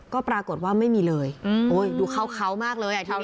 ก็ปรากฏว่าไม่มีเลยโอ้ยดูเขามากเลยอ่ะทีนี้